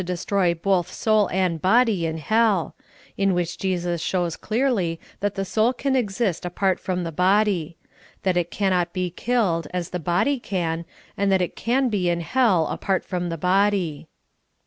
destroy both soul and body in hell," in which Jesus shows clearly that the soul can exist apart from the body ; that it cannot be killed, as the body can, and that it can be in hell apart from the body.